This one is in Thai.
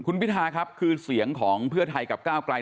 คุณพิทาครับคือเสียงของเพื่อไทยกับก้าวไกล